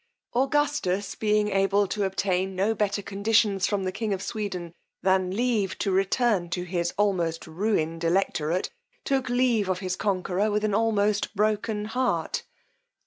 Augustus being able to obtain no better conditions from the king of Sweden, than leave to return to his almost ruined electorate, took leave of his conqueror with an almost broken heart.